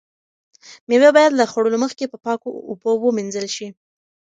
مېوې باید له خوړلو مخکې په پاکو اوبو ومینځل شي.